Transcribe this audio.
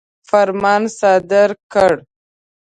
فرمان صادر کړ.